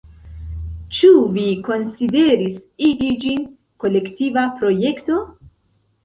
Ĉu vi konsideris igi ĝin kolektiva projekto?